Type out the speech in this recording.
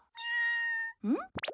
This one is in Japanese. うん？